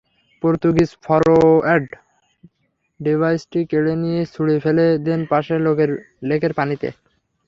Portuguese forward ডিভাইসটি কেড়ে নিয়ে ছুড়ে ফেলে দেন পাশের লেকের পানিতে।